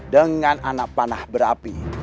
dengan anak panah berapi